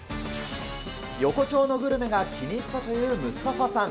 横丁のグルメが気に入ったというムスタファさん。